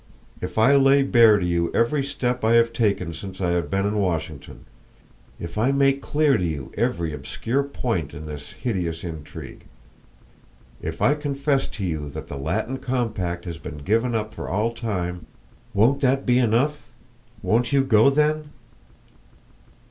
If I lay bare to you every step I have taken since I have been in Washington; if I make clear to you every obscure point in this hideous intrigue; if I confess to you that the Latin compact has been given up for all time, won't that be enough? Won't you go then?"